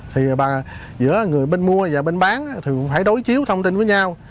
thì giữa người bên mua và bên bán thì cũng phải đối chiếu thông tin với nhau